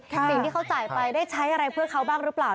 สิ่งที่เขาจ่ายไปได้ใช้อะไรเพื่อเขาบ้างหรือเปล่า